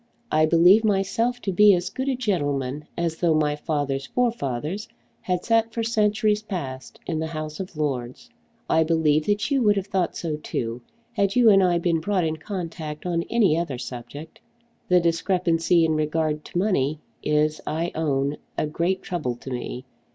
I believe myself to be as good a gentleman as though my father's forefathers had sat for centuries past in the House of Lords. I believe that you would have thought so also, had you and I been brought in contact on any other subject. The discrepancy in regard to money is, I own, a great trouble to me.